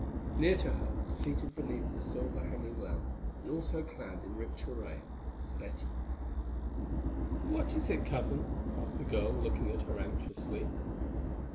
Near to her, seated beneath a silver hanging lamp, and also clad in rich array, was Betty. "What is it, Cousin?" asked the girl, looking at her anxiously.